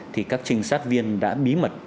thì các trinh sát viên đã bí mật